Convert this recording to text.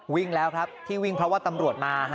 วิ่งแล้วครับที่วิ่งเพราะว่าตำรวจมาฮะ